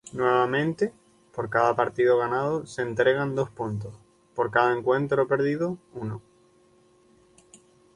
Nuevamente, por cada partido ganado se entregan dos puntos, por cada encuentro perdido uno.